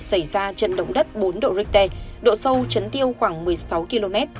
xảy ra trận động đất bốn độ richter độ sâu chấn tiêu khoảng một mươi sáu km